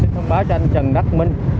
trần đắc minh